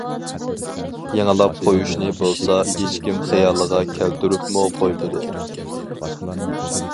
يېڭىلاپ قۇيۇشنى بولسا، ھېچكىم خىيالىغا كەلتۈرۈپمۇ قويمىدى.